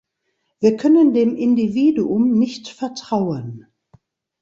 Wir können dem Individuum nicht vertrauen.